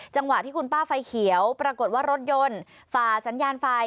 จังหวะที่คุณป้าไฟเขียวปรากฏว่ารถยนต์ฝ่าสัญญาณไฟ